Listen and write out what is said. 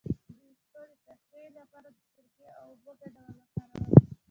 د ویښتو د پخې لپاره د سرکې او اوبو ګډول وکاروئ